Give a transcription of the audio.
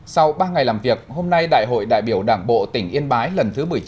sau ba ngày làm việc hôm nay đại hội đại biểu đảng bộ tỉnh yên bái lần thứ một mươi chín